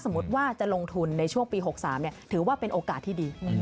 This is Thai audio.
ว่าจะลงทุนในช่วงปี๖๓ถือว่าเป็นโอกาสที่ดี